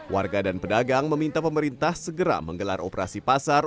warga dan pedagang meminta pemerintah segera menggelar operasi pasar